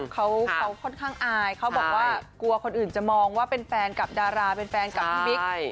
เขาค่อนข้างอายเขาบอกว่ากลัวคนอื่นจะมองว่าเป็นแฟนกับดาราเป็นแฟนกับพี่บิ๊ก